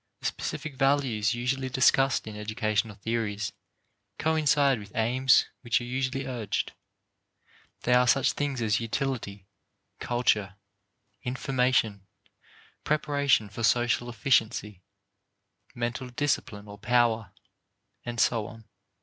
The specific values usually discussed in educational theories coincide with aims which are usually urged. They are such things as utility, culture, information, preparation for social efficiency, mental discipline or power, and so on.